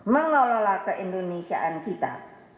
mengelola keindonesiaan kita